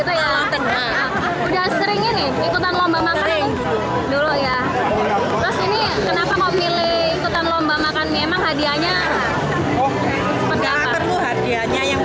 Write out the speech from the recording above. teruk gak tadi itu